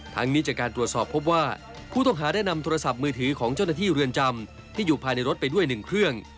นี้จากการตรวจสอบพบว่าผู้ต้องหาได้นำโทรศัพท์มือถือของเจ้าหน้าที่เรือนจำที่อยู่ภายในรถไปด้วย๑เครื่อง